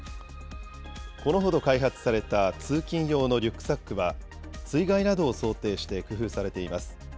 このほど開発された通勤用のリュックサックは水害などを想定して工夫されています。